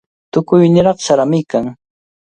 Tukuy niraq sarami kan.